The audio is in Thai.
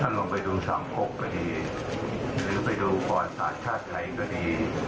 ท่านลองไปดูสามโคกก็ดีหรือไปดูกรศาสตร์ชาติไทยก็ดี